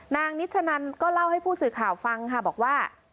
นิชชะนันก็เล่าให้ผู้สื่อข่าวฟังค่ะบอกว่า